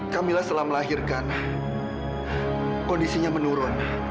kamila setelah melahirkan kondisinya menurun